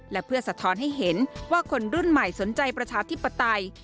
และเพื่อสะท้อนให้เห็นว่าคนรุ่นใหม่สนใจประชาธิปไตย